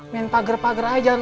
main pager pager aja